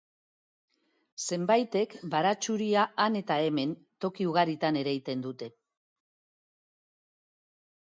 Zenbaitek baratxuria han eta hemen, toki ugaritan ereiten dute.